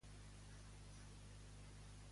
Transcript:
Què li va passar a l'eclesiàstica?